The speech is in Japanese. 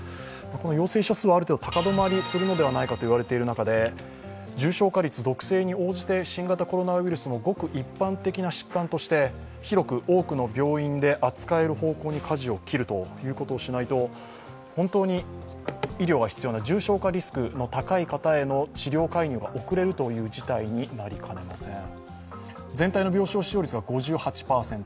この陽性者数はある程度高止まりするのではないかといわれている中で、重症化率、属性に応じて新型コロナウイルス、ごく一般的な疾患として広く、多くの病院で扱える方向にかじを切るということをしないと本当に医療が必要な重症化リスクが高い人への治療介入が遅れるという事態になりかねません。